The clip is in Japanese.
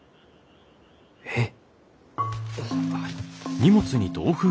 えっ？